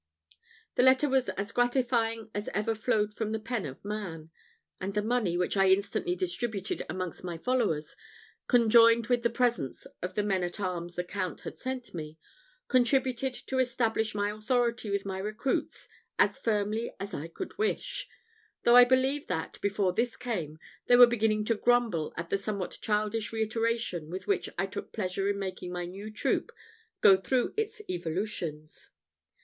The letter was as gratifying as ever flowed from the pen of man; and the money, which I instantly distributed amongst my followers, conjoined with the presence of the men at arms the Count had sent me, contributed to establish my authority with my recruits as firmly as I could wish; though I believe that, before this came, they were beginning to grumble at the somewhat childish reiteration with which I took pleasure in making my new troop go through its evolutions.